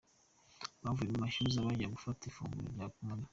Bavuye ku mashyuza bajya gufata ifurunguro ryo kumanywa.